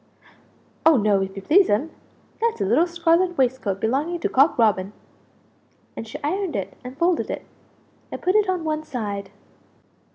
"Oh no, if you please'm; that's a little scarlet waist coat belonging to Cock Robin!" And she ironed it and folded it, and put it on one side.